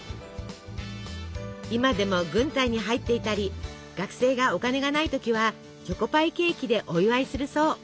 今でも軍隊に入っていたり学生がお金がない時はチョコパイケーキでお祝いするそう。